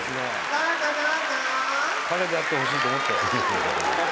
「どうぞどうぞ」彼であってほしいと思ったよ。